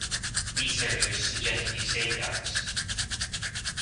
Researchers suggest a few safeguards.